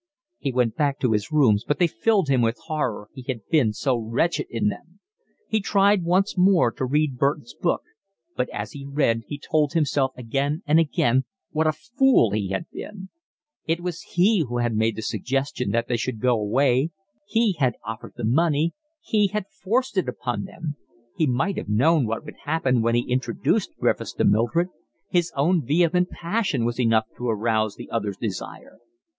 He went back to his rooms, but they filled him with horror, he had been so wretched in them; he tried once more to read Burton's book, but, as he read, he told himself again and again what a fool he had been; it was he who had made the suggestion that they should go away, he had offered the money, he had forced it upon them; he might have known what would happen when he introduced Griffiths to Mildred; his own vehement passion was enough to arouse the other's desire.